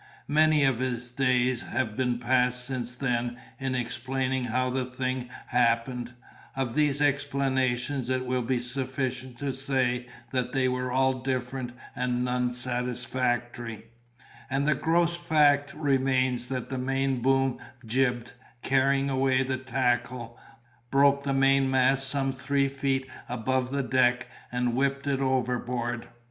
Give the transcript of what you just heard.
Many of his days have been passed since then in explaining how the thing happened; of these explanations it will be sufficient to say that they were all different and none satisfactory; and the gross fact remains that the main boom gybed, carried away the tackle, broke the mainmast some three feet above the deck and whipped it overboard.